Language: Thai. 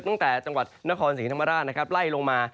ตั้งแต่จังหวัดนครสถ์ศรีนธรรมดาไล่ลงมา